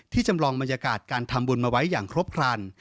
จำลองบรรยากาศการทำบุญมาไว้อย่างครบครัน